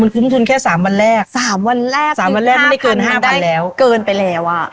มันคุ้มทุนแค่๓วันแรก๓วันแรกคือ๕๐๐๐มันได้เกินไปแล้วอะ